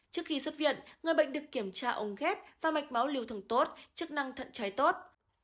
trước khi xuất viện người bệnh được kiểm tra ống ghép và mạch máu lưu thường tốt chức năng thận trái tốt